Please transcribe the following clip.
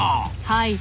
はい。